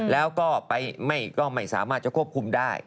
แล้วก็ไม่สามารถจะควบคุมได้